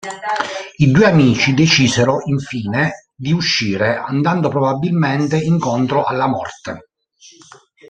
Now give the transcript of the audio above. I due amici decisero, infine, di uscire, andando probabilmente incontro alla morte.